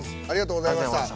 ありがとうございます。